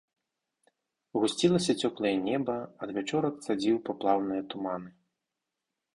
Гусцілася цёплае неба, адвячорак цадзіў паплаўныя туманы.